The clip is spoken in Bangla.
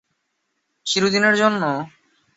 চিরদিনের জন্য?